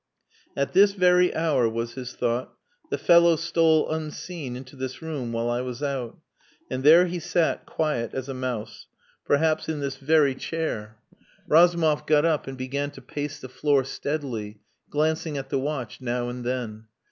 "At this very hour," was his thought, "the fellow stole unseen into this room while I was out. And there he sat quiet as a mouse perhaps in this very chair." Razumov got up and began to pace the floor steadily, glancing at the watch now and then.